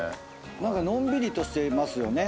何かのんびりとしてますよね。